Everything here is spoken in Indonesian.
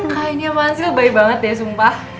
kainnya mansil baik banget ya sumpah